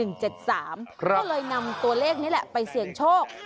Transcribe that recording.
ก็เลยนำตัวเลขนี้แหละไปเสี่ยงโชค